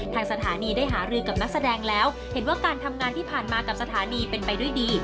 ทางสถานีได้หารือกับนักแสดงแล้วเห็นว่าการทำงานที่ผ่านมากับสถานีเป็นไปด้วยดี